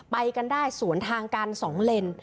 ไปกันได้สวนทางกัน๒เลน